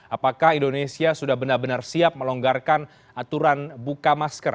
apakah indonesia sudah benar benar siap melonggarkan aturan buka masker